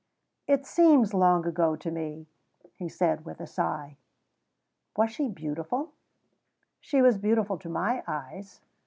"It seems long ago to me," he said with a sigh. "Was she beautiful?" "She was beautiful to my eyes."